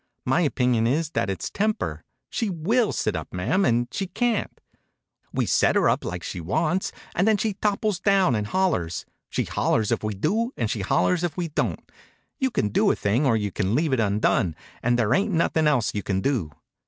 My opinion is that it's temper. She will sit up, mam, and she can't. We set her up, like she wants, and then she topples down and hollers. She hollers if we do and she hollers if we don't. You can do a thing or you can leave it undone, and there ain't nothing else you can do.